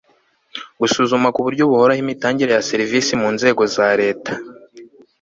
gusuzuma ku buryo buhoraho imitangire ya serivisi mu nzego za leta